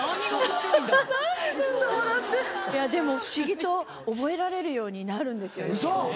でも不思議と覚えられるようになるんですよ。